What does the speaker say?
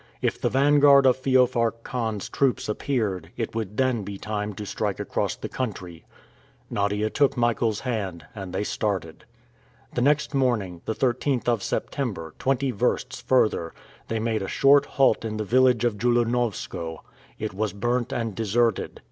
If the vanguard of Feofar Khan's troops appeared, it would then be time to strike across the country. Nadia took Michael's hand, and they started. The next morning, the 13th of September, twenty versts further, they made a short halt in the village of Joulounov skoë. It was burnt and deserted.